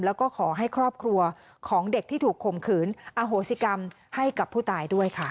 แล้วก็ขอให้ครอบครัวของเด็กที่ถูกข่มขืนอนโหสิกรรมให้กับผู้ตายด้วยค่ะ